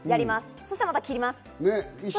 そしたらまた切ります。